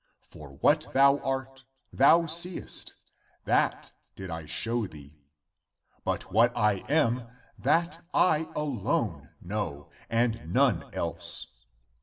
For what thou art, thou seest, that did I show thee ; but wliat I am, that I alone know, and none else.